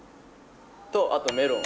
とあとメロン。